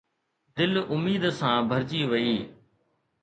دل اميد سان ڀرجي وئي